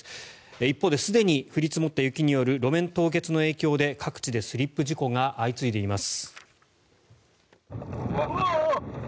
一方ですでに降り積もった雪による路面凍結の影響で各地でスリップ事故が相次いでいます。